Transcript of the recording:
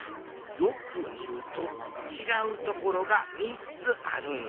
よくみるとちがうところが３つあるんや。